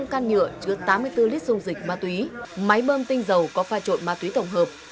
chứa tám mươi bốn lít dung dịch ma túy máy bơm tinh dầu có pha trộn ma túy tổng hợp